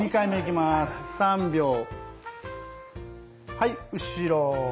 はい後ろ。